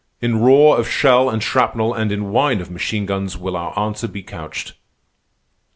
In roar of shell and shrapnel and in whine of machine guns will our answer be couched.